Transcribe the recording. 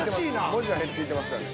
文字は減っていってますからね。